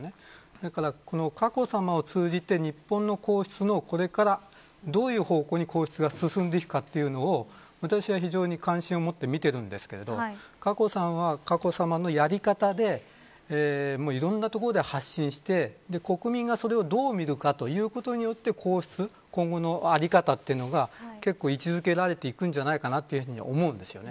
だから、佳子さまを通じて日本の皇室のこれからどういう方向に皇室が進んでいくべきかというのを私は非常に関心を持って見ているんですが佳子さまは佳子さまのやり方でいろんなところで発信して国民がそれをどう見るかということによって今後の皇室の在り方というのが結構、位置付けられていくんじゃないかなと思うんです。